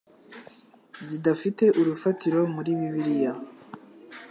zidafite urufatiro muri Bibliya?